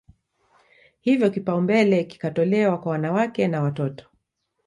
Hivyo kipaumbele kikatolewa kwa wanawake na watoto